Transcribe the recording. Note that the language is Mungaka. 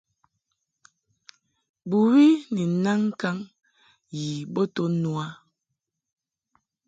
Bɨwi ni naŋ ŋkaŋ yi bo to no a.